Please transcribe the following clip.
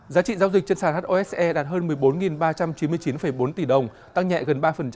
giá trị giao dịch trên sản hose đạt hơn một mươi bốn ba trăm chín mươi chín bốn tỷ đồng tăng nhẹ gần ba